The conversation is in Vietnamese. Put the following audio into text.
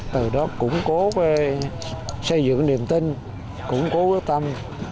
từ đó củng cố xây dựng niềm tin củng cố quyết tâm